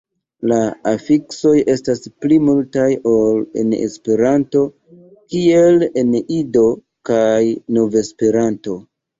La afiksoj estas pli multaj ol en Esperanto, kiel en Ido kaj Nov-Esperanto.